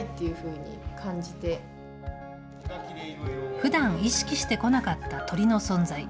ふだん、意識してこなかった鳥の存在。